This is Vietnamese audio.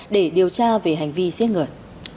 điều tra về hành vi giết người